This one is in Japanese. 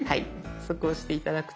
そこ押して頂くと。